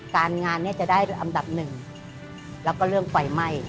การงานเนี่ยจะได้อันดับหนึ่งแล้วก็เรื่องไฟไหม้